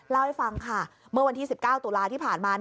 เล่าให้ฟังค่ะเมื่อวันที่๑๙ตุลาที่ผ่านมา